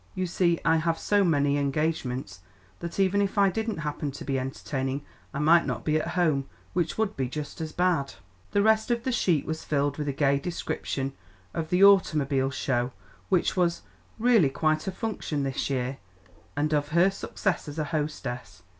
You see I have so many engagements that even if I didn't happen to be entertaining, I might not be at home, which would be just as bad." The rest of the sheet was filled with a gay description of the automobile show, which was "really quite a function this year," and of her success as a hostess.